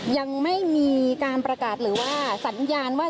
ยังไม่มีการประกาศหรือว่าสัญญาณว่า